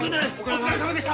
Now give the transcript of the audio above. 「お疲れさまでした」